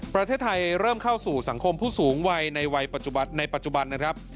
ประเทศไทยเริ่มเข้าสู่สังคมผู้สูงวัยในวัยปัจจุบันในปัจจุบันนะครับ